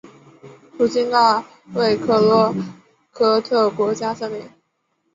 途经大卫克洛科特国家森林。